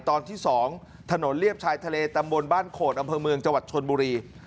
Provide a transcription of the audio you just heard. ตอนที่๒ถนนเลียบชายทะเลตำบลบ้านโขดอำเภอเมืองจังหวัดชนบุรี